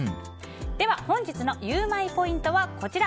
では本日のゆウマいポイントはこちら。